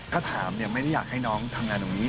ถ้าถามเนี่ยไม่ได้อยากให้น้องทำงานตรงนี้